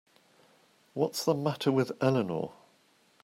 What's the matter with Eleanor?